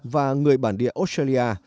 và người bản địa australia